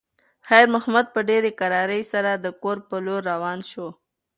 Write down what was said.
خیر محمد په ډېرې کرارۍ سره د کور په لور روان شو.